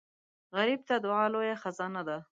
غریب ته دعا لوی خزانه ده